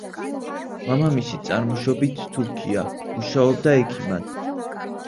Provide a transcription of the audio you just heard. მამამისი წარმოშობით თურქია, მუშაობდა ექიმად.